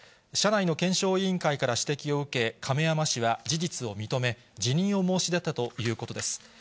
社内の検証委員会から指摘を受け、亀山氏は事実を認め、辞任を申し出たということです。